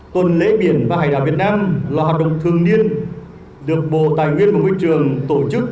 tuần lễ biển và hải đảo việt nam là hoạt động thường niên được bộ tài nguyên và môi trường tổ chức